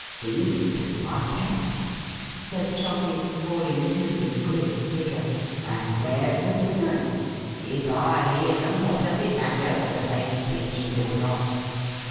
'Seem to, my Pet,' said Trotty, falling to with great vigour. 'And where's the difference? If I hear 'em, what does it matter whether they speak it or not?